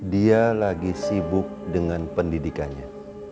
dia lagi sibuk dengan pendidikannya